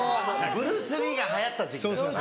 ブルース・リーが流行った時期だったから。